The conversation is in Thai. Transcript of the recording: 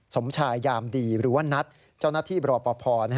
สมชายยามดีหรือว่านัทเจ้าหน้าที่บรปภ